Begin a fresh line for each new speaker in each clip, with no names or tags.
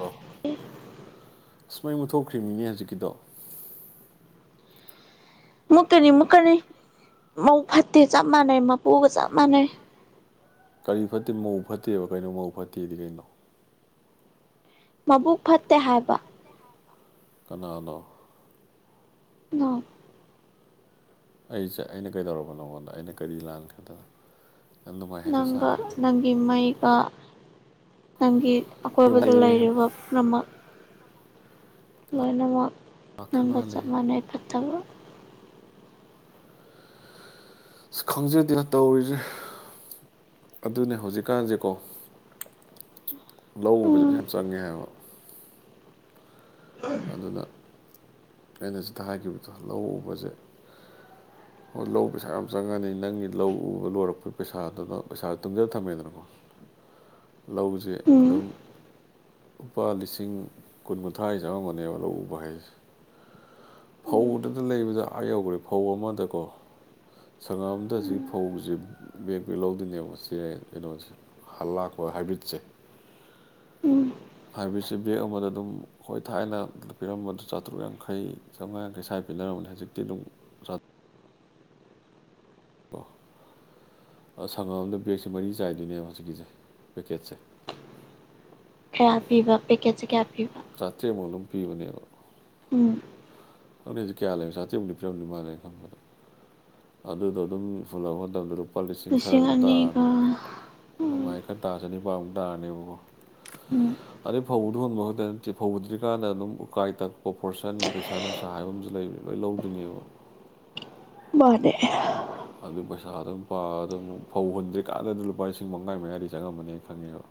ꯑꯣꯣ ꯑꯁꯨꯃꯥꯏꯅ ꯃꯨꯊꯣꯛꯈ꯭ꯔꯤꯕꯃꯤꯅꯦ ꯍꯧꯖꯤꯛꯀꯤꯗꯣ
ꯃꯨꯠꯀꯅꯤ ꯃꯨꯠꯀꯅꯤ ꯃꯧ ꯐꯠꯇꯦ ꯆꯞ ꯃꯥꯟꯅꯩ ꯃꯄꯨꯒ ꯆꯞ ꯃꯥꯟꯅꯩ
ꯀꯔꯤ ꯐꯠꯇꯦ ꯃꯧ ꯐꯠꯇꯦꯕ ꯀꯩꯅꯣ ꯃꯧ ꯐꯠꯇꯦꯗꯤ ꯀꯩꯅꯣ
ꯃꯕꯨꯛ ꯐꯠꯇꯦ ꯍꯥꯏꯕ
ꯀꯅꯥꯅꯣ
ꯑ
ꯑꯩꯁꯦ ꯑꯩꯅ ꯀꯩꯗꯧꯔꯕ ꯅꯉꯣꯟꯗ ꯑꯩꯅ ꯀꯔꯤ ꯂꯥꯥꯟ ꯈꯦꯗꯅ
ꯅꯪꯒ ꯅꯪꯒꯤ ꯃꯩꯒ ꯅꯪꯒꯤ ꯑꯀꯣꯏꯕꯗ ꯂꯩꯔꯤꯕ ꯃꯃ ꯂꯣꯏꯅꯃꯛ
ꯂꯥꯛꯇ꯭ꯔꯤ
ꯅꯪꯒ
ꯃꯥꯜꯂꯦ
ꯆ ꯃꯅ ꯀꯠꯇꯕ
ꯈꯪꯖꯗꯦ ꯇꯧꯔꯤꯁꯦ ꯑꯗꯨꯅꯦ ꯍꯧꯖꯤꯛꯀꯥꯟꯁꯦꯀꯣ ꯂ ꯎꯧꯕꯁꯦꯁꯨ
ꯎꯝ
ꯌꯥꯝ ꯆꯪꯉꯦ ꯍꯥꯏꯕ ꯑꯗꯨꯅ ꯑꯩꯅ ꯁꯤꯗ ꯍꯥꯏꯈꯤꯕꯗꯣ ꯂꯧ ꯎꯕꯁꯦ ꯍꯣꯏ ꯂꯧ ꯄꯩꯁꯥ ꯌꯥꯝ ꯆꯪꯉꯅꯤ ꯅꯪꯒꯤ ꯂꯧ ꯂꯣꯏꯔꯛꯄꯩ ꯄꯩꯁꯥꯗꯨꯅ ꯄꯩꯁꯥ ꯇꯨꯡꯖꯂ ꯊꯝꯃꯦꯗꯅꯀꯣ ꯂꯧꯁꯦ
ꯎꯝ
ꯑꯗꯨꯝ ꯂꯨꯄꯥ ꯂꯤꯁꯤꯡ ꯀꯨꯟ ꯀꯨꯊ꯭ꯔꯥ ꯆꯦꯝꯕꯅꯦꯕ ꯂꯧ ꯎꯕ ꯍꯥꯏꯁꯦ
ꯎꯝ
ꯐꯧꯗꯨꯅ ꯂꯩꯕꯗ ꯑꯥ ꯌꯧꯈ꯭ꯔꯦ ꯐꯧ ꯑꯃꯗꯀꯣ ꯁꯪꯉꯝꯗ
ꯎꯝ
ꯁꯤꯖꯤꯛ ꯐꯧꯁꯤ ꯕꯦꯦꯛ ꯦꯛ ꯂꯧꯗꯣꯏꯅꯦꯕ ꯁꯤ ꯀꯩꯅꯣꯁꯤ ꯍꯜ ꯂꯥꯛꯄ ꯍꯣꯏ ꯍꯥꯏꯕ꯭ꯔꯤꯠꯁꯦ
ꯎꯝ
ꯍꯥꯏꯁ ꯕꯒ ꯑꯃꯗ ꯑꯗꯨꯝ ꯍꯣꯏ ꯊꯥꯏꯅ ꯄꯤꯔꯝꯕꯗꯨ ꯆꯥꯇ꯭ꯔꯨꯛ ꯌꯥꯡꯈꯩ ꯆꯝ ꯃꯉꯥꯡ ꯀꯩ ꯁꯥꯏ ꯄꯤꯅꯔꯔꯕꯅꯦ ꯍꯧꯖꯤꯛꯇꯤ ꯑꯗꯨꯝ ꯆꯥꯇ꯭ꯔꯨꯛ ꯑꯣ ꯁꯪꯉꯝꯗ ꯕꯦꯒꯁꯦ ꯃꯔꯤ ꯆꯥꯏꯗꯣꯏꯅꯦꯕ ꯍꯧꯖꯤꯛꯀꯤꯁꯦ ꯄꯦꯀꯦꯠꯁꯦ
ꯀꯌꯥ ꯄꯤꯕ ꯄꯦꯀꯦꯠꯁꯦ ꯀꯌꯥ ꯄꯤꯕ
ꯆꯥꯇ꯭ꯦ ꯃꯣꯂꯨꯝ ꯄꯤꯕꯅꯦꯕ
ꯎꯝ
ꯈꯪꯅꯦ ꯀꯌꯥ ꯂꯩ ꯆꯥꯇ꯭ꯔꯦꯠꯃꯨꯛꯇꯤ ꯄꯤꯔꯝꯗꯧ ꯃꯥꯜꯂꯦ ꯈꯟꯕꯗ ꯑꯗꯨꯗꯣ ꯑꯗꯨꯝ ꯐꯨꯜꯂꯛꯄ ꯃꯇꯝꯗ ꯂꯨꯄꯥ ꯂꯤꯁꯤꯡ ꯈꯔ ꯑꯗꯨꯝ ꯇꯥꯔꯅꯤ
ꯎꯝ
ꯃꯥꯏ ꯈꯔ ꯇꯥ ꯆꯅꯤꯄꯥꯃꯨꯛ ꯇꯥꯔꯅꯦꯕꯀꯣ
ꯎꯝ
ꯑꯗꯩ ꯐꯧꯗꯨ ꯍꯣꯟꯕ ꯈꯛꯇ ꯅꯠꯇꯦ ꯐꯧꯗ꯭ꯔꯤꯀꯥꯟꯗ ꯑꯗꯨꯝ ꯎꯀꯥꯏ ꯇꯛꯄ ꯄꯣꯔꯁꯟꯒꯤ ꯄꯩꯁꯥ ꯅꯨꯡꯁꯥ ꯆꯥ ꯍꯥꯏꯕ ꯑꯃꯁꯨ ꯂꯩꯕ ꯂꯣꯏ ꯂꯧꯗꯣꯏꯅꯦꯕ
ꯃꯥꯅꯦꯅꯦ
ꯑꯗꯨ ꯄꯩꯁꯥ ꯑꯗꯨꯝ ꯄꯥ ꯑꯗꯨ ꯐꯧ ꯍꯨꯟꯗ꯭ꯔꯤꯀꯥꯟꯗ ꯂꯨꯄꯥ ꯂꯤꯁꯤꯡ ꯃꯉꯥ ꯃꯌꯥꯥꯗ ꯆꯪꯉꯝꯕꯅꯦꯅ ꯈꯪꯉꯦꯕ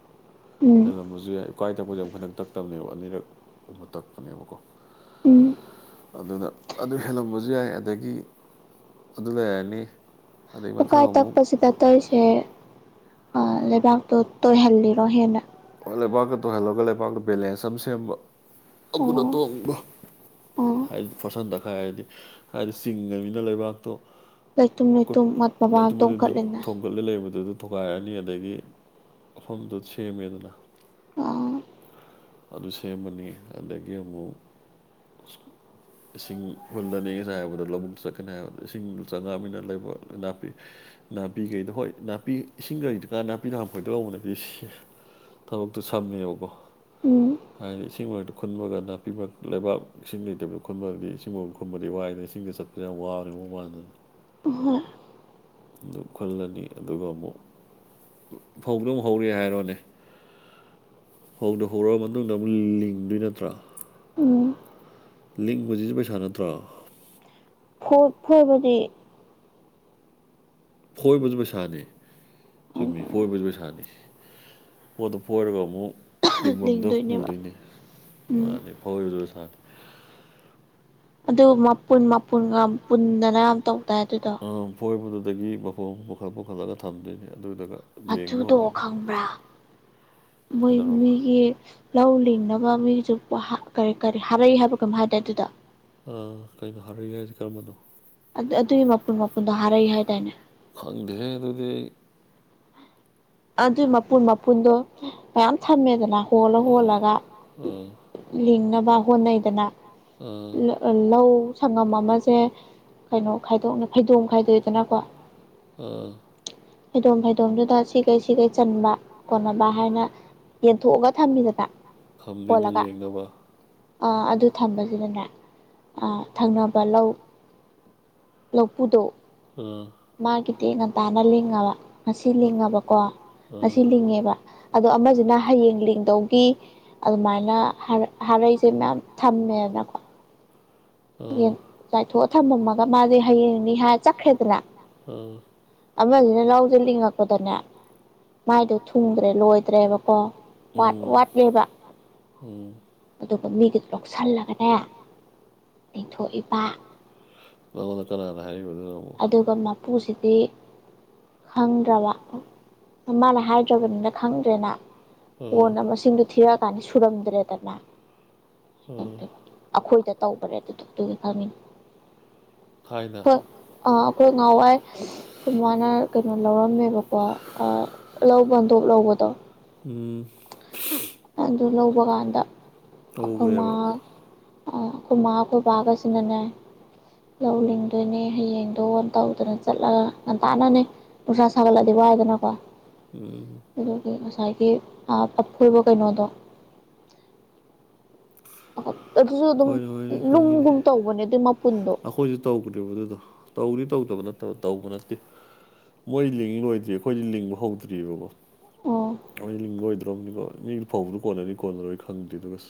ꯎꯝ
ꯍꯦꯜꯂꯝꯕꯁꯨ ꯌꯥꯏ꯫ ꯎꯀꯥꯏ ꯇꯛꯄꯁꯦ ꯑꯃꯨꯛ ꯈꯛꯇꯪ ꯇꯛꯇꯕꯅꯦꯕ ꯑꯅꯤꯔꯛꯒꯨꯝꯕ ꯇꯛꯄꯅꯦꯕꯀꯣ꯫
ꯎꯝ
ꯑꯗꯨꯗ ꯑꯗꯨ ꯍꯦꯜꯂꯝꯕꯁꯨ ꯌꯥꯏ ꯑꯗꯒꯤ ꯑꯗꯨ ꯂꯩꯔꯔꯅꯤ꯫
ꯎꯀꯥꯏ ꯇꯛꯄꯁꯤꯗ ꯇꯧꯔꯤꯁꯦ ꯂꯩꯕꯥꯛꯇꯣ ꯇꯣꯏꯍꯜꯂꯤꯔꯣ ꯍꯦꯟꯅ꯫
ꯑꯣ ꯂꯩꯕꯥꯛꯇꯣ ꯇꯣꯏꯍꯜꯂꯒꯕꯥꯛꯇ ꯕꯦꯂꯦꯟꯁ ꯑꯃ ꯁꯦꯝꯕ ꯑꯃꯅ
ꯑꯣ
ꯇꯣꯡꯕ꯫
ꯑꯣ
ꯍꯥꯏꯗꯤ ꯄꯣꯠꯁꯟ ꯇꯛꯈꯥꯏꯔꯗꯤ ꯍꯥꯏꯗꯤ ꯆꯤꯡꯉꯅꯤꯅ ꯂꯩꯕꯥꯛꯇꯣ
ꯂꯩꯇꯨꯝ ꯂꯩꯇꯨꯝꯠ ꯃꯕꯥ ꯇꯣꯡꯈꯠꯂꯤꯅꯦ꯫
ꯈꯨꯠꯂ ꯂꯩꯕꯗꯨꯗ ꯊꯨꯒꯥꯏꯔꯅꯤ ꯑꯗꯩꯗꯤ ꯃꯐꯝꯗꯨ ꯁꯦꯝꯃꯦꯗꯅ꯫
ꯑꯥ
ꯑꯗꯨ ꯁꯦꯝꯕꯅꯤ ꯑꯗꯒꯤ ꯑꯃꯨꯛ ꯏꯁꯤꯡ ꯍꯨꯜꯂꯅꯤ ꯑꯩꯅ ꯉꯁꯥꯏ ꯍꯥꯏꯕꯗꯨ ꯂꯧꯕꯨꯛꯇ ꯆꯠꯀꯅꯤ ꯍꯥꯏꯕꯗꯨ ꯏꯁꯤꯡ ꯆꯪꯉꯥꯃꯤꯅ ꯂꯩꯕꯛ ꯅꯥꯄꯤ ꯅꯥꯄꯤꯈꯩꯗꯣ ꯍꯣꯏ ꯅꯥꯄꯤ ꯏꯁꯤꯡꯒ ꯂꯩꯇꯔꯤꯀꯥꯟ ꯅꯥꯄꯤꯗꯨ ꯍꯥꯟꯅ ꯐꯣꯏꯗꯣꯛ ꯍꯧꯕꯅꯗꯤ ꯁꯦꯡ ꯊꯕꯛꯇꯨ ꯁꯝꯃꯦꯕꯀꯣ꯫
ꯎꯝ꯫
ꯍꯥꯏꯗꯤ ꯏꯁꯤꯡ ꯃꯔꯛꯇ ꯈꯨꯟꯕꯒ ꯅꯥꯄꯤꯃꯛ ꯂꯩꯕꯥ ꯏꯁꯤꯡ ꯂꯩꯇꯕꯗꯣ ꯈꯨꯟꯕꯗꯤ ꯏꯁꯤꯡ ꯃꯥꯎ ꯈꯨꯟꯕꯗꯤ ꯋꯥꯏꯗꯅ ꯏꯁꯤꯡꯗ ꯆꯠꯄꯗ ꯌꯥꯝ ꯋꯥꯕꯅꯦꯕ ꯃꯑꯣꯡ ꯃꯟꯗꯅ꯫
[unintelligible]
ꯑꯗꯨ ꯈꯨꯜꯂꯅꯤ ꯑꯗꯨꯒ ꯑꯃꯨꯛ ꯐꯧꯗꯣ ꯑꯃꯣꯛ ꯍꯧꯔꯦ ꯍꯥꯏꯔꯣꯅꯦ ꯐꯧꯗꯣꯛ ꯍꯧꯔ ꯃꯇꯨꯡꯗ ꯑꯃꯨꯛ ꯂꯤꯡꯗꯣꯏ ꯅꯠꯇ꯭ꯔꯥ꯫
ꯎꯝ꯫
ꯂꯤꯡꯕꯁꯤꯁꯨ ꯄꯩꯁꯥ ꯅꯠꯇ꯭ꯔꯣ꯫
ꯐꯣ ꯐꯣꯏꯕꯗꯤ꯫
ꯐꯣꯏꯕꯁꯨ ꯄꯩꯁꯥꯅꯤ ꯆꯨꯝꯃꯤ ꯐꯣꯏꯕꯁꯨ ꯄꯩꯁꯥꯅꯤ꯫ ꯄꯣꯠꯇꯣ ꯄꯣꯏꯔꯒ ꯑꯃꯨꯛ ꯂꯤꯡꯐꯝꯗꯣ
ꯂꯤꯡꯗꯣꯏꯅꯦꯕ
ꯄꯨꯗꯣꯏꯅꯦ
ꯎꯝ
ꯃꯥꯅꯤ꯫ ꯐꯣꯏꯕꯁꯨ ꯁꯥꯏ꯫
ꯑꯗꯨ ꯃꯄꯨꯟ ꯃꯄꯨꯟꯒ ꯄꯨꯟꯗꯅ ꯌꯥꯝ ꯇꯧꯗꯥꯏ ꯑꯗꯨꯗꯣ꯫
ꯑ ꯐꯣꯏꯕꯗꯨꯗꯒꯤ ꯃꯐꯣꯝ ꯄꯨꯈꯠ ꯄꯨꯈꯠꯂꯒ ꯊꯝꯗꯣꯏꯅꯦ ꯑꯗꯨꯗꯨꯒ꯫ ꯂꯦꯡꯕ
ꯑꯗꯨꯗꯣ
ꯍꯧꯗꯣꯏꯅꯤ
ꯈꯪꯕ꯭ꯔꯥ ꯃꯣꯏ
ꯀꯩꯗꯧꯔꯕ
ꯃꯤꯒꯤ ꯂꯧ ꯂꯤꯡꯅꯕ ꯃꯤꯁꯨ ꯀꯔꯤ ꯀꯔꯤ ꯍꯔꯩ ꯍꯥꯏꯕ ꯀꯩꯅꯣꯝ ꯍꯥꯏꯗꯥꯏ ꯑꯗꯨꯗꯣ꯫
ꯀꯩꯅꯣ ꯍꯥꯔꯩ ꯍꯥꯏꯁꯤ ꯀꯔꯝꯕꯅꯣ꯫
ꯑꯗꯨ ꯑꯗꯨꯏ ꯃꯄꯨꯟ ꯃꯄꯨꯟꯗꯣ ꯍꯥꯔꯩ ꯍꯥꯏꯗꯥꯏꯅꯦ꯫
ꯐꯪꯗꯦꯍꯦ ꯑꯗꯨꯗꯤ꯫
ꯑꯗꯨꯏ ꯃꯄꯨꯟ ꯃꯄꯨꯟꯗꯣ ꯃꯌꯥꯝ ꯊꯝꯃꯦꯗꯅ ꯍꯣꯜꯂ
[inaudible] ꯎꯝ
ꯍꯣꯜꯂꯒ
ꯎꯝ꯫
ꯂꯤꯡꯅꯕ ꯍꯣꯠꯅꯩꯗꯅ
ꯑꯥ
ꯂꯧ ꯁꯪꯉꯝ ꯑꯃꯁꯦ ꯀꯩꯅꯣ ꯈꯥꯏꯗꯣꯛꯅ ꯐꯩꯗꯣꯝ ꯈꯥꯏꯗꯣꯛꯏꯗꯅꯀꯣ
ꯑꯥ
ꯐꯩꯗꯣꯝ ꯐꯩꯗꯣꯝꯗꯨꯗ꯫ ꯂꯩꯁꯤ ꯂꯩꯆꯟꯕ ꯀꯣꯟꯅꯕ ꯍꯥꯏꯅ ꯌꯦꯟꯊꯣꯛꯑꯒ ꯊꯝꯃꯤꯗꯅ꯫
ꯊꯝꯃꯤꯅꯤ ꯂꯦꯡꯅꯕ꯫
ꯑ ꯑꯗꯨ ꯊꯝꯕꯁꯤꯗꯅꯦ ꯑꯥ ꯊꯪꯅꯕ ꯂꯧ ꯂꯧꯄꯨꯗꯣ
ꯑꯥ
ꯃꯥꯒꯤꯗꯤ ꯉꯟꯇꯥꯅ ꯂꯤꯡꯉꯕ ꯉꯁꯤ
ꯑꯥ
ꯂꯤꯡꯉꯕ꯫ ꯀꯣ
ꯑꯥ
ꯉꯁꯤ ꯂꯤꯡꯉꯦꯕ ꯑꯗꯣ ꯑꯃꯗꯨꯅ ꯍꯌꯦꯡ ꯂꯤꯡꯗꯧꯒꯤ ꯑꯗꯨꯃꯥꯏꯅ ꯍꯥꯔꯩ ꯍꯥꯔꯩꯁꯦ ꯃꯌꯥꯝ ꯊꯝꯃꯦꯗꯅꯀꯣ꯫
ꯑꯥ
ꯆꯥꯏꯊꯣꯛꯑ ꯊꯝꯃꯝꯃꯒ ꯃꯥꯗꯤ ꯍꯌꯦꯡꯅꯤ ꯍꯥꯏꯔ ꯆꯠꯈ꯭ꯔꯦꯗꯅ꯫
ꯑꯥ
ꯑꯃꯁꯤꯅ ꯂꯧꯗꯨ ꯂꯤꯡꯉꯛꯄꯗꯅꯦ ꯃꯥꯏꯗꯣ ꯊꯨꯡꯗ꯭ꯔꯦ ꯂꯣꯏꯗ꯭ꯔꯦꯕꯀꯣ ꯄꯥꯠ
ꯎꯝ
ꯋꯥꯠꯂꯦꯕ꯫
ꯎꯝ꯫
ꯑꯗꯨꯒ ꯃꯤꯒꯤꯗꯨ ꯂꯧꯁꯤꯜꯂꯒꯅꯦ ꯇꯦꯡ ꯊꯣꯛꯏꯕ꯫
ꯅꯉꯣꯟꯗ ꯀꯅꯥꯅ ꯍꯥꯏꯔꯛꯏꯕ ꯑꯗꯨꯅ ꯑꯃꯨꯛ꯫
ꯑꯗꯨꯒ ꯃꯄꯨꯁꯤꯗꯤ ꯈꯪꯗ꯭ꯔꯕ꯫ ꯃꯃꯥꯅ ꯍꯥꯏꯗ꯭ꯔꯕꯅꯤꯅ ꯈꯪꯗ꯭ꯔꯦꯅ
ꯑꯥ
ꯀꯣꯟꯅ ꯃꯁꯤꯡꯗꯨ ꯊꯤꯔꯛ ꯀꯥꯟꯗ ꯁꯨꯔꯝꯗ꯭ꯔꯦꯗꯅ꯫
ꯎꯝ
ꯑꯩꯈꯣꯏꯗ ꯇꯧꯕꯅꯦ ꯑꯗꯨꯗ ꯑꯗꯨꯒꯤ ꯈꯪꯅꯤꯅꯦ
ꯊꯥꯏꯅ
ꯑ ꯑꯩꯈꯣꯏ ꯉꯍꯥꯟꯋꯥꯏ ꯑꯩꯈꯣꯏ ꯏꯃꯥꯅ ꯀꯩꯅꯣ ꯂꯧꯔꯝꯃꯦꯕꯀꯣ ꯂꯧ ꯕꯟꯗꯣꯞ ꯂꯧꯕꯗꯣ
ꯎꯝ
ꯑꯗꯨ ꯂꯧꯕ ꯀꯥꯟꯗ ꯑꯩꯈꯣꯏ ꯃꯥ
ꯇꯧꯒ꯭ꯔꯦꯕ
ꯑꯩꯈꯣꯏ ꯃꯥ ꯑꯩꯈꯣꯏꯕꯒꯁꯤꯅꯅꯦ ꯂꯧ ꯂꯤꯡꯗꯣꯏꯅꯦ ꯍꯌꯦꯡꯗꯣ ꯑꯣ ꯇꯧꯗꯅ ꯆꯠꯂꯒ ꯉꯟꯇꯥꯅꯅꯦ ꯅꯨꯡꯁꯥ ꯁꯥꯒꯠꯂꯗꯤ ꯋꯥꯏꯗꯅꯀꯣ
[unintelligible]
ꯑꯗꯨꯒꯤ ꯉꯁꯥꯏꯒꯤ ꯑꯥ ꯑꯐꯣꯏꯕ ꯀꯩꯅꯣꯗꯣ ꯑꯗꯨꯁꯨ ꯑꯗꯨꯝ
ꯍꯣꯏꯅꯦ ꯍꯣꯏꯅꯦ ꯈꯪꯉꯤꯅꯦ
ꯂꯨꯝꯒꯨꯝ ꯇꯧꯕꯅꯦ ꯑꯗꯨꯏ ꯃꯄꯨꯟꯗꯣ
ꯑꯩꯈꯣꯏꯁꯨ ꯇꯧꯕꯅꯦꯕꯗꯨꯗꯣ ꯇꯧꯗꯤ ꯇꯧꯗꯕ ꯅꯠꯇꯕ ꯇꯧꯕ ꯅꯠꯇꯦ ꯃꯣꯏ ꯂꯤꯡ ꯂꯣꯏꯗ꯭ꯔꯤ ꯑꯩꯈꯣꯏꯗꯤ ꯂꯤꯡꯕ ꯍꯧꯗ꯭ꯔꯤꯕꯑꯀꯣ
ꯑꯣ
ꯑꯩ ꯂꯤꯡꯕꯣꯏꯗ꯭ꯔꯕꯅꯤꯀꯣ ꯃꯤ ꯐꯥꯎꯕꯗꯨ ꯀꯣꯟꯅꯅꯤ ꯀꯣꯟꯅꯔꯣꯏ ꯈꯪꯗ꯭ꯔꯤ ꯑꯗꯨꯒ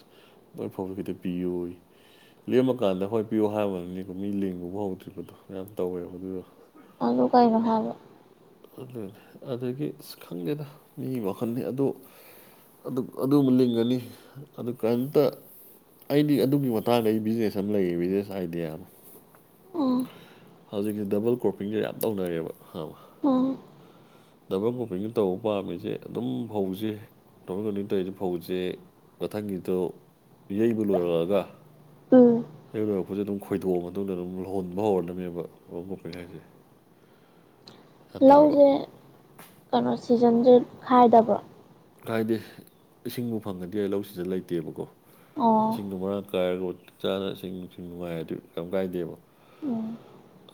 ꯅꯣꯢ ꯐꯧꯗꯣ ꯈꯤꯇ ꯄꯤꯑꯣꯢꯌꯦ ꯂꯦꯝꯃꯀꯥꯟꯗ ꯍꯣꯏ ꯄꯤꯌꯣ ꯍꯥꯏꯕꯗꯨꯅꯤꯀꯣ ꯃꯤ ꯂꯤꯡꯕꯕꯧ ꯍꯧꯗ꯭ꯔꯤꯕꯗꯣ ꯌꯥꯝ ꯇꯧꯋꯦꯕ ꯑꯗꯨꯗꯣ
ꯑꯗꯨ ꯀꯩꯅꯣ ꯍꯥꯏꯕ
ꯑꯗꯨꯅꯤ ꯑꯗꯒꯤ ꯑꯁ ꯈꯪꯗꯦꯗ ꯃꯤ ꯃꯈꯜꯅꯤ ꯑꯗꯨ ꯑꯗꯨ ꯑꯗꯨꯃꯨꯛ ꯂꯤꯡꯒꯅꯤ ꯑꯗꯨ ꯀꯔꯤꯝꯇ ꯑꯩꯗꯤ ꯑꯗꯨꯒꯤ ꯃꯇꯥꯡꯗ ꯑꯩ ꯕꯤꯖꯤꯅꯦꯁ ꯑꯃ ꯂꯩꯌꯦ ꯕꯤꯖꯤꯅꯦꯁ ꯑꯥꯏꯗꯤꯌꯥ ꯑꯃ
ꯎꯝ
ꯍꯧꯖꯤꯛꯁꯦ ꯗꯕꯜ ꯀ꯭ꯔꯣꯞꯄꯤꯡꯁꯦ ꯌꯥꯝ ꯇꯧꯅꯔꯦꯕ ꯈꯉꯕ
ꯎꯝ
ꯗꯕꯜ ꯀꯣꯄꯤꯡꯗ ꯇꯧꯕ ꯄꯥꯝꯃꯤꯁꯦ ꯑꯗꯨꯝ ꯐꯧꯁꯦ [unintelligible] ꯇꯧꯔꯤꯖꯦ ꯐꯥꯎꯁꯦ ꯃꯊꯪꯒꯤꯗꯣ ꯌꯩꯕ ꯂꯣꯏꯔꯛꯑꯒ
ꯎꯝ
ꯑꯌꯨꯛ ꯂꯣꯏꯔꯛꯄꯖꯤꯗ ꯑꯗꯨꯝ ꯈꯣꯏꯗꯣꯛꯑ ꯃꯇꯨꯡꯗ ꯑꯗꯨꯝ ꯂꯧꯍꯣꯟ ꯍꯨꯟꯕ ꯍꯧꯔꯗꯕꯅꯦꯕ ꯗꯥꯕꯜ ꯀꯣꯄꯤꯡ ꯍꯥꯏꯁꯦ [unintelligible]
ꯂꯧꯁꯦ ꯀꯩꯅꯣ ꯁꯤꯖꯟꯁꯦ ꯈꯥꯏꯗꯕ꯭ꯔꯣ
ꯀꯥꯏꯗꯦ ꯏꯁꯤꯡꯕꯨ ꯐꯪꯉꯥꯗꯤ ꯌꯥꯏ ꯂꯧꯁꯤꯗ ꯂꯩꯇꯦꯕꯀꯣ
ꯑꯣ
ꯏꯁꯤꯡꯗꯣ ꯃꯔꯥꯡ ꯀꯥꯏꯔꯒ ꯃꯇꯤꯛ ꯆꯥꯅ ꯏꯁꯤꯡ ꯅꯨꯡꯁꯤꯡ ꯅꯨꯡꯉꯥꯏꯔꯗꯤ ꯀꯝ ꯀꯥꯏꯗꯦꯕ
ꯎꯝ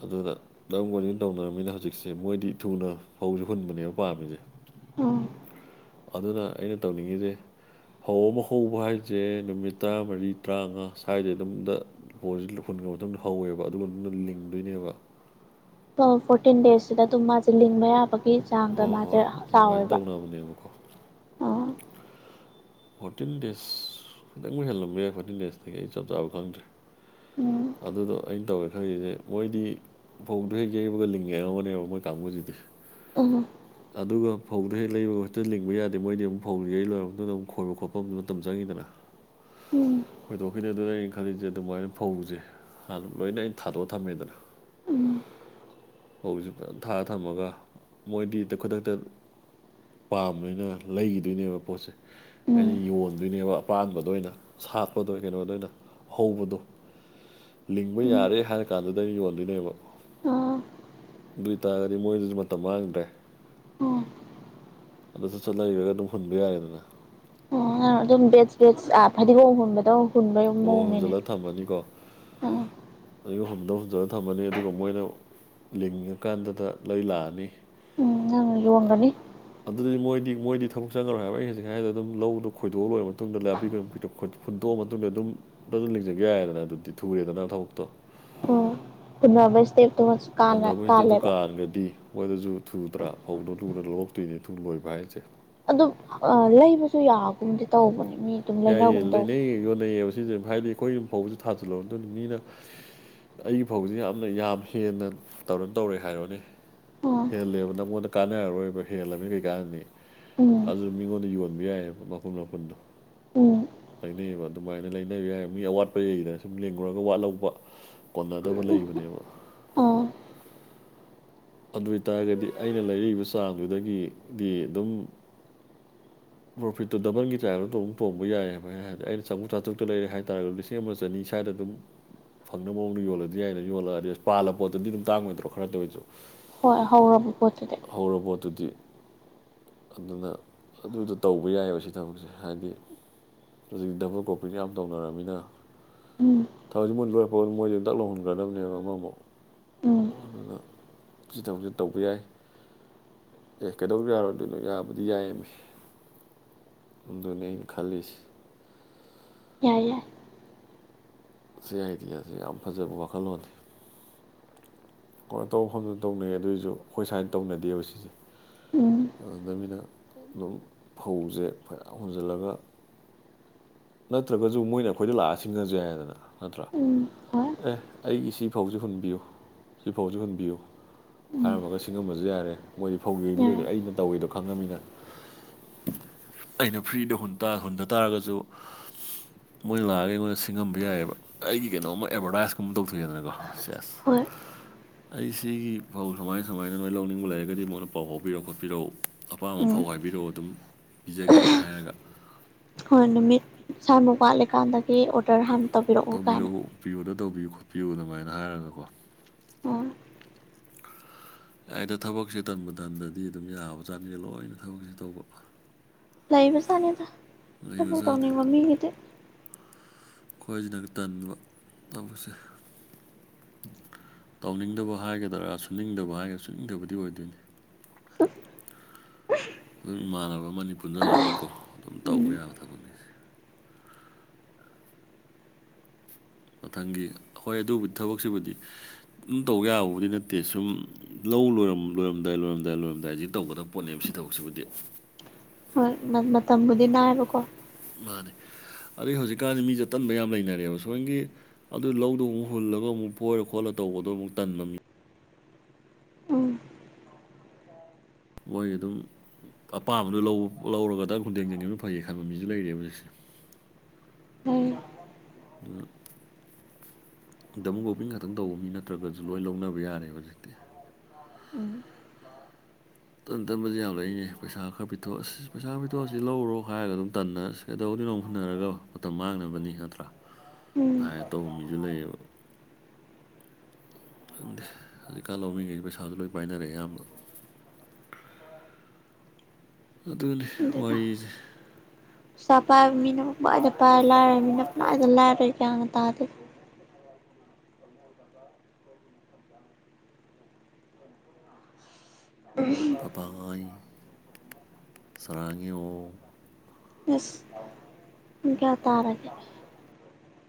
ꯑꯗꯨꯅ [unintelligible] ꯇꯧꯅꯔꯕꯝꯃꯤꯅ ꯍꯧꯖꯤꯛꯁꯦ ꯃꯣꯏꯗꯤ ꯊꯨꯅ ꯐꯧꯁꯦ ꯍꯨꯟꯕꯁꯤꯅꯦ ꯄꯥꯝꯃꯤꯁꯦ
ꯎꯝ
ꯑꯗꯨꯅ ꯑꯩꯅ ꯇꯧꯅꯤꯡꯉꯤꯁꯦ ꯐꯧ ꯑꯃ ꯍꯧꯕ ꯍꯥꯏꯁꯦ ꯅꯨꯃꯤꯠ ꯇꯔꯥꯃꯔꯤ ꯇꯔꯥꯃꯉꯥ ꯁ꯭ꯋꯥꯏꯗ ꯑꯗꯨꯝꯗ ꯐꯧꯖꯦ ꯍꯨꯟꯒ꯭ꯔꯥ ꯃꯇꯨꯡꯗ ꯍꯧꯋꯦꯕ ꯑꯗꯨꯒ ꯂꯤꯡꯗꯣꯏꯅꯦꯕ
ꯐꯣꯔꯇꯤꯟ ꯗꯦꯖꯁꯤꯗ ꯑꯗꯨꯝ ꯃꯥꯁꯦ ꯂꯤꯡꯕ ꯌꯥꯕꯒꯤ ꯆꯥꯡꯗ
ꯍꯣꯏ
ꯃꯥꯁꯦ
ꯍꯣꯏ
ꯆꯥꯎꯋꯦꯕ
[unintelligible]
ꯑ
ꯐꯣꯔꯇꯤꯟ ꯗꯦꯖ ꯈꯤꯇꯪꯕꯨ ꯍꯦꯜꯂꯝꯕ ꯌꯥꯏ ꯐꯣꯔꯇꯤꯟ ꯗꯦꯖꯇꯒꯤ ꯑꯩ ꯆꯞ ꯆꯥꯕ ꯈꯪꯗ꯭ꯔꯦ
ꯎꯝ
ꯑꯗꯨꯗꯣ ꯑꯩꯅ ꯇꯧꯒꯦ ꯈꯜꯂꯤꯁꯦ ꯃꯣꯏꯗꯤ ꯐꯧꯗꯨ ꯍꯦꯛ ꯌꯩꯕꯒ ꯂꯤꯡꯒꯦ ꯍꯥꯕꯅꯦꯕ ꯃꯣꯏ ꯀꯥꯡꯕꯨꯁꯤꯗꯤ
ꯎꯝ
ꯑꯗꯨꯒ ꯐꯧꯗꯨ ꯍꯦꯛ ꯂꯩꯕꯒ ꯍꯦꯛꯇ ꯂꯤꯡꯕ ꯌꯥꯗꯦ ꯃꯣꯏꯗꯤ ꯑꯃꯨꯝ ꯐꯧ ꯌꯩ ꯂꯣꯏꯍꯧꯗꯗꯅ ꯑꯃꯨꯛ ꯈꯣꯏꯕ ꯈꯣꯠꯄ ꯑꯃꯁꯨ ꯃꯇꯝ ꯆꯪꯉꯤꯗꯅ
ꯎꯝ
ꯈꯣꯏꯗꯣꯛꯈꯤꯅꯦ ꯑꯗꯨꯅ ꯑꯩꯅ ꯈꯜꯂꯤꯁꯦ ꯑꯗꯨꯃꯥꯏꯅ ꯐꯧꯁꯦ ꯍꯥꯟ ꯂꯣꯏꯅ ꯑꯩꯅ ꯊꯥꯗꯣꯛꯑ ꯊꯝꯃꯦꯗꯅ
ꯎꯝ
ꯐꯧꯖꯦ ꯐꯖꯅ ꯊꯥꯔ ꯊꯝꯃꯒ ꯃꯣꯏꯗꯤ ꯍꯦꯛꯇ ꯈꯨꯗꯛꯇ ꯄꯥꯝꯅꯤꯅ ꯂꯩꯈꯤꯗꯣꯏꯅꯦꯕ ꯄꯣꯠꯁꯦ ꯑꯩꯅ
ꯎꯝ
ꯌꯣꯟꯗꯣꯏꯅꯦꯕ ꯑꯄꯥꯟꯕꯗꯣ ꯑꯣꯏꯅ ꯁꯥꯠꯄꯗꯣ ꯀꯩꯅꯣꯗ ꯑꯣꯏꯅ ꯑꯍꯧꯕꯗꯣ ꯂꯤꯡꯕ
ꯎꯝ
ꯌꯥꯔꯦ ꯍꯥꯏꯔ ꯀꯥꯟꯗꯨꯗ ꯌꯣꯟꯗꯣꯏꯅꯦꯕ
ꯑ
ꯑꯗꯨꯏꯇꯥꯔꯒꯗꯤ ꯃꯣꯏꯗꯁꯨ ꯃꯇꯝ ꯃꯥꯡꯗ꯭ꯔꯦ
ꯑꯣ
ꯑꯗꯨ ꯁ ꯆꯠ ꯂꯩꯔꯒ ꯑꯗꯨꯝ ꯍꯨꯟꯕ ꯌꯥꯏꯗꯅ
ꯑꯣ ꯑꯗꯨꯝ ꯕꯦꯠꯁ ꯕꯦꯠꯁ ꯐꯗꯤꯒꯣꯝꯒꯨꯝꯕꯗꯣ
ꯑꯣ ꯍꯨꯖꯤꯜꯂꯒ ꯊꯝꯃꯅꯤꯀꯣ
ꯑꯥ
ꯑꯌꯨꯛ ꯍꯨꯝꯗꯪ ꯍꯨꯝꯗꯅ ꯊꯝꯃꯅꯤ ꯑꯗꯨꯒ ꯃꯣꯏꯅ ꯂꯤꯡꯉꯀꯥꯟꯗꯨꯗ ꯂꯩ ꯂꯥꯛꯑꯅꯤ
ꯎꯝ ꯅꯪ ꯌꯣꯟꯒꯅꯤ
ꯑꯗꯨꯗꯤ ꯃꯣꯢꯗꯤ ꯃꯣꯢꯗꯤ ꯊꯕꯛ ꯆꯪꯉꯔꯣꯏ ꯍꯥꯏꯕ ꯑꯩ ꯍꯧꯖꯤꯛ ꯍꯥꯏꯔꯦ ꯑꯗꯨꯝ ꯂꯧꯗꯣ ꯈꯣꯏꯣꯛꯑ ꯂꯣꯏꯔ ꯃꯇꯨꯡꯗ ꯅꯥꯄꯤ ꯈꯣꯏꯣꯛ ꯍꯨꯟꯇꯣꯛꯑ ꯃꯇꯨꯡꯗ ꯑꯗꯨꯝ ꯐ ꯑꯗꯨꯝ ꯂꯤꯡꯖꯒꯦ ꯌꯥꯏꯗꯅ ꯑꯗꯨꯗꯤ ꯊꯨꯔꯦꯗꯅ ꯊꯕꯛꯇꯣ
ꯄꯨꯟꯅꯕꯩ ꯏꯁꯇꯦꯞ ꯇꯨꯃꯁꯨ
ꯍꯣꯟꯅꯕꯁꯤꯗꯗ ꯀꯥꯔꯒꯗꯤ ꯃꯣꯏꯗꯁꯨ ꯊꯨꯗ꯭ꯔꯥ ꯐꯧꯗꯨ ꯊꯨꯅ ꯂꯣꯛꯇꯣꯏꯅꯤ ꯊꯨꯅ ꯂꯣꯏꯕ ꯍꯥꯏꯁꯦ
ꯑꯗꯨꯝ ꯂꯩꯕꯁꯨ ꯌꯥꯒꯨꯝꯗꯤ ꯇꯧꯕꯅꯤ ꯃꯤ ꯑꯗꯨꯝ
ꯌꯥꯏꯌꯦ
ꯂꯩꯅꯒꯨꯝ ꯇꯧꯕ
ꯂꯩꯅꯩꯌꯦ ꯌꯣꯟꯅꯩꯑꯌꯦꯕ ꯁꯤꯁ ꯍꯥꯏꯕꯗꯤ ꯑꯩꯈꯣꯏ ꯑꯗꯨꯝ ꯐꯥꯎꯕꯁꯨ ꯊꯥꯖꯤꯜꯂ ꯑꯗꯨ ꯃꯤꯅ ꯑꯩꯒꯤ ꯐꯥꯎꯗꯤ ꯌꯥꯝꯅ ꯌꯥꯝ ꯍꯦꯟꯅ ꯇꯧꯔ ꯇꯧꯔꯦ ꯍꯥꯏꯔꯣꯅꯦ
ꯑꯥ
ꯍꯦꯜꯂꯦꯕ ꯅꯪꯉꯣꯟꯗ ꯀꯥꯟꯅꯔꯣꯏꯕ ꯍꯦꯜꯂꯅꯤ ꯀꯩꯀꯥꯅꯅꯤ
ꯎꯝ
ꯑꯗꯨ ꯃꯤꯉꯣꯟꯗ ꯌꯣꯟꯕ ꯌꯥꯏꯑꯦꯕ ꯃꯄꯨꯟ ꯃꯄꯨꯟꯗꯣ
ꯎꯝ
ꯂꯩꯅꯩꯌꯦꯕ ꯑꯗꯨꯃꯥꯏꯅ ꯂꯩꯅꯕ ꯌꯥꯏ ꯃꯤ ꯑꯋꯥꯠꯄ ꯌꯩꯗꯅ ꯁꯨꯝ ꯂꯦꯡꯈꯨꯔꯒ ꯋꯥꯠꯍꯧꯕ ꯀꯣꯟꯅꯗꯕ ꯂꯩꯕꯅꯦꯕ
ꯑꯥ
ꯑꯗꯨ ꯑꯣꯏꯏꯇꯥꯔꯒꯗꯤ ꯑꯩꯅ ꯂꯩꯔꯛꯏꯕ ꯆꯥꯡꯗꯨꯗꯒꯤꯗꯤ ꯑꯗꯨꯝ ꯄ꯭ꯔꯣꯐꯤꯠꯇꯨ ꯗꯕꯟꯒꯤ ꯇꯥꯢꯄ ꯇꯣꯡꯕ ꯇꯣꯡꯕ ꯌꯥꯏꯑꯦ ꯍꯥꯏꯔꯗꯤ ꯑꯩꯅ ꯆꯪꯉꯨꯛ ꯆꯥꯇ꯭ꯔꯨꯛꯇ ꯍꯥꯏꯇꯥꯔꯒꯗꯤ ꯁꯦꯝ ꯑꯃ ꯆꯅꯤ ꯁ꯭ꯋꯥꯏꯗ ꯑꯗꯨꯝ ꯐꯪꯅ ꯃꯑꯣꯡꯗ ꯌꯣꯜꯂꯗꯤ ꯌꯥꯏꯅ ꯌꯣꯜꯂꯒ ꯑꯗꯤ ꯄꯥꯜꯂ ꯄꯣꯠꯇꯗꯤ ꯑꯗꯨꯝ ꯇꯥꯡꯉꯣꯏꯗ꯭ꯔꯣ ꯈꯔ ꯇꯧꯔꯤꯁꯨ
ꯍꯣꯏ ꯍꯧꯔꯕ ꯄꯣꯠꯇꯨꯗꯤ
ꯍꯧ ꯄꯣꯠꯇꯨꯗꯤ ꯑꯗꯨꯅ ꯑꯗꯨꯗꯣ ꯇꯧꯕ ꯌꯥꯏꯑꯦꯕ ꯁꯤ ꯊꯕꯛꯁꯦ ꯍꯥꯏꯗꯤ ꯍꯧꯖꯤꯛ ꯗꯕꯜ ꯀꯣꯄꯤꯗ ꯌꯥꯝ ꯇꯧꯅꯔꯕꯃꯤꯅ
ꯎꯝ
ꯊꯥꯎꯁꯤꯟ ꯃꯨꯟ ꯂꯣꯏꯔꯛꯄꯥꯎ ꯃꯣꯏꯁꯦ ꯍꯟꯇꯛ ꯂꯧꯍꯟꯒꯗꯕꯅꯦꯕ ꯑꯃꯃꯥꯎ
ꯎꯝ
ꯑꯗꯨꯅ ꯖꯤꯗꯧꯖꯤ ꯇꯧꯕ ꯌꯥꯏ ꯑꯦ ꯀꯩꯗꯧ ꯌꯥꯔꯣꯏꯗꯣꯏꯅꯣ ꯌꯥꯕꯨꯗꯤ ꯌꯥꯏꯌꯦꯃꯤ ꯗꯨꯅꯦ ꯈꯂꯤꯁ
ꯌꯥꯏ ꯌꯥꯏ
ꯁꯤ ꯑꯥꯏꯗꯤꯌꯥꯁꯤ ꯌꯥꯝ ꯐꯖꯕ ꯋꯥꯈꯜꯂꯣꯟꯅꯤ ꯀꯩꯅꯣ ꯇꯧꯐꯝꯗꯅ ꯇꯧꯅꯩꯌꯦ ꯑꯗꯨꯏꯁꯨ ꯑꯩꯈꯣꯏ ꯁꯨꯃꯥꯏꯅ ꯇꯧꯅꯗꯦꯕ ꯁꯤꯁꯦ
ꯎꯝ
ꯑꯗꯨꯗꯅꯤꯅ ꯑꯗꯨꯝ ꯐꯧꯁꯦ ꯐꯔ ꯍꯨꯟꯖꯜꯂꯒ ꯅꯠꯇ꯭ꯔꯒꯁꯨ ꯃꯣꯏꯅ ꯑꯈꯣꯏꯗ ꯂꯥꯛꯑ ꯁꯤꯡꯉꯁꯨ ꯌꯥ ꯗꯅ ꯅꯠꯇ꯭ꯔꯥ
ꯎꯝ ꯍꯣꯏ
ꯑꯦ ꯑꯩꯒꯤ ꯁꯤꯐꯧꯁꯤ ꯍꯨꯟꯕꯤꯌꯨ ꯁꯤꯐꯧꯁꯨ ꯍꯨꯟꯕꯤꯌꯨ
ꯎꯝ
ꯍꯥꯏꯔꯝꯃꯒ ꯁꯤꯡꯉꯝꯕꯁꯨ ꯌꯥꯔꯦ ꯃꯣꯏꯗꯤ ꯐꯧꯒꯤꯕ
ꯌꯥꯏ
ꯂꯣꯏꯗꯦ ꯑꯩꯅ ꯇꯧꯋꯦꯗꯣ ꯈꯪꯉꯃꯤꯅ ꯑꯩꯅ ꯐ꯭ꯔꯤꯗ ꯍꯨꯟꯗ ꯇꯥꯔꯒꯁꯨ ꯃꯣꯏ ꯂꯥꯛꯑꯒ ꯑꯩꯉꯣꯟꯗ ꯁꯤꯡꯉꯝꯕ ꯌꯥꯏꯑꯕ ꯑꯩꯒꯤ ꯀꯩꯅꯣꯝꯃ ꯑꯦꯕꯔꯗꯥꯏꯁꯀꯨꯝꯕ ꯇꯧꯊꯣꯛꯑꯦꯗꯅꯀꯣ ꯁꯦꯖ
ꯍꯣꯏ
ꯑꯩ ꯁꯤꯒꯤ ꯐꯧ ꯁꯨꯃꯥꯏ ꯁꯨꯃꯥꯏꯅ ꯅꯣꯏ ꯂꯧꯅꯤꯡꯕ ꯂꯩꯔꯒꯗꯤ ꯃꯣꯏꯅ ꯄꯥꯎ ꯐꯥꯎꯕꯤꯔꯛ ꯈꯣꯠꯄꯤꯔꯛꯎ
ꯎꯝ
ꯑꯄꯥꯝꯕꯐꯥꯎ ꯍꯥꯏꯕꯤꯔꯛꯑꯣ ꯑꯗꯨꯝ ꯄꯤꯖꯒꯦꯒ ꯍꯥꯏꯔꯒ
ꯍꯣꯏ ꯅꯨꯃꯤꯠ ꯁ꯭ꯥꯃꯨꯛ ꯋꯥꯠꯂꯤꯀꯥꯟꯗꯒꯤ ꯑꯣꯔꯗꯔ ꯍꯥꯟꯅ ꯇꯧꯕꯤꯔꯛꯎ ꯀꯥꯏꯅ
ꯄꯤꯌꯣꯗ ꯇꯧꯕꯤꯌꯨ ꯈꯣꯠꯄꯤꯌꯨ ꯑꯗꯨꯃꯥꯏꯅ ꯍꯥꯏꯔꯒꯀꯣ
ꯑꯥ
ꯌꯥꯢꯗ ꯊꯕꯛꯁꯦ ꯇꯟꯕ ꯇꯟꯗꯗꯤ ꯑꯗꯨꯝ ꯌꯥꯕ ꯖꯥꯠꯅꯤ ꯂꯣꯏꯅ ꯊꯕꯛꯁꯦ ꯇꯧꯕ
ꯂꯩꯕ ꯆꯥꯅꯤꯗ ꯊꯕꯛ
ꯂꯩꯕꯖꯥꯠꯅꯤ
ꯇꯧꯅꯤꯡꯕ ꯃꯤꯒꯤꯗꯤ
ꯈꯣꯏꯁꯤꯅꯒ ꯇꯟꯕ ꯇꯧꯕꯁꯦ ꯇꯧꯅꯤꯡꯗꯕ ꯍꯥꯏꯒꯗ꯭ꯔꯥ ꯁꯨꯅꯤꯡꯗꯕ ꯍꯥꯏꯒ꯭ꯔꯥ ꯁꯨꯅꯤꯡꯗꯕꯗꯤ ꯑꯣꯏꯗꯣꯏꯅꯤ ꯑꯗꯨꯝ ꯏꯃꯥꯟꯅꯕ ꯑꯃꯅꯤ ꯄꯨꯟꯁꯤꯜꯂꯒꯀꯣ ꯑꯗꯨꯝ
ꯎꯝ
ꯇꯧꯕ ꯌꯥꯕ ꯊꯕꯛꯅꯤꯁꯦ ꯃꯊꯪꯒꯤ ꯍꯣꯏ ꯑꯗꯨꯕꯨꯗꯤ ꯊꯕꯛꯁꯤꯕꯨꯗꯤ ꯑꯗꯨꯝ ꯇꯧꯕ ꯌꯥꯕꯕꯨꯗꯤ ꯅꯠꯇꯦ ꯁꯨꯝ ꯂꯧ ꯂꯣꯏ ꯂꯣꯏꯔꯝꯗꯥꯏ ꯂꯣꯏꯔꯝꯗꯥꯏ ꯂꯣꯏꯔꯝꯗꯥꯏ ꯁꯤ ꯇꯧꯒꯗꯕ ꯄꯣꯠꯅꯦꯕ ꯁꯤ ꯊꯕꯛꯁꯤꯕꯨꯗꯤ
ꯍꯣꯏ ꯃ-ꯃꯇꯝꯕꯨꯗꯤ ꯅꯥꯏꯕꯀꯣ
ꯃꯥꯅꯦ ꯑꯗꯨꯗꯩ ꯍꯧꯖꯤꯛꯀꯥꯟꯗꯤ ꯃꯤꯁꯦ ꯇꯟꯕ ꯌꯥꯝ ꯂꯩꯅꯔꯦꯕ ꯁꯣꯝꯒꯤ ꯑꯗꯨ ꯂꯧꯗꯨꯣ ꯑꯃꯨꯛ ꯍꯨꯜꯂꯒ ꯑꯃꯨꯛ ꯐꯣꯏꯔ ꯈꯣꯠꯂ ꯇꯧꯕꯗꯣ ꯑꯃꯨꯛ ꯇꯟꯕ ꯃꯤ
ꯎꯝ
ꯃꯣꯏ ꯑꯗꯨꯝ ꯑꯄꯥꯝꯕꯗꯣ ꯂꯧ-ꯂꯧꯔꯒ ꯗꯛ ꯈꯨꯟꯗꯦꯡꯖꯪꯒꯤꯕ ꯐꯩꯌꯦ ꯈꯟꯕ ꯃꯤꯁꯨ ꯂꯩꯔꯦꯕ ꯍꯧꯖꯤꯛꯁꯦ
[unintelligible]
ꯑꯗꯨ ꯗꯃ ꯒꯣꯕꯤꯤꯡ ꯈꯛꯇꯪ ꯇꯧꯕ ꯃꯤ ꯅꯠꯇ꯭ꯔꯒꯁꯨ ꯂꯣꯏ ꯂꯧꯅꯕ ꯌꯥꯔꯦꯕ ꯍꯧꯖꯤꯛꯇꯤ ꯇꯟ ꯇꯟꯕꯁꯤꯁ ꯌꯥꯝ ꯂꯩꯛꯏꯅꯦ ꯄꯩꯁꯥ ꯈꯔ ꯄꯤꯊꯣꯛꯑꯁꯤ ꯄꯩꯁꯥ ꯄꯤꯊꯣꯛꯑꯁꯤ ꯂꯧꯔꯣ ꯍꯥꯏꯔꯒ ꯑꯗꯨꯝ ꯇꯟꯅꯔꯁꯤ ꯁ ꯇꯧꯗꯤ ꯅꯣꯡ ꯍꯨꯟꯅꯔꯒ ꯃꯇꯝ ꯃꯥꯡꯅꯕꯅꯤ
ꯎꯝ
ꯅꯠꯇ꯭ꯔꯥꯥꯏꯅ ꯇꯧꯕ ꯃꯤꯁꯨ ꯂꯩꯌꯦꯕ ꯈꯪꯗꯦ ꯍꯧꯖꯤꯛꯀꯥꯟ ꯂꯧꯃꯤꯉꯩꯗꯤ ꯄꯩꯁꯥꯁꯨ ꯂꯣꯏ ꯄꯥꯏꯅꯔꯦ ꯑꯌꯥꯝꯕ ꯑꯗꯨꯅꯤ ꯋꯥꯔꯤꯁꯦ
ꯁ ꯄꯥꯏꯕ ꯃꯤꯅ ꯄꯥꯏꯔ ꯂꯥꯏꯔ ꯃꯤꯅ ꯄꯗ ꯂꯥꯏꯔꯦ ꯒ꯭ꯌꯥꯟꯒ ꯇꯥꯗꯦ
ꯄꯄꯥꯏ ꯁꯔꯥꯉ ꯦꯑꯣ
ꯏꯁ ꯎꯝꯀꯌꯥ ꯇꯥꯔꯒꯦ